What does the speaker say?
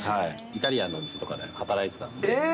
イタリアンのお店とかで働いてたので。